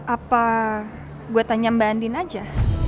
apa gue tanya mbak andin aja